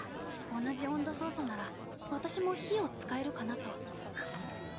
同じ温度操作なら私も火を使えるかなと。はむっ。